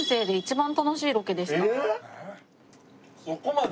そこまで！？